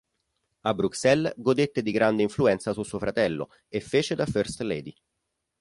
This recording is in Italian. A Bruxelles, godette di grande influenza su suo fratello, e fece da "first lady".